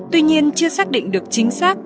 tuy nhiên chưa xác định được chính xác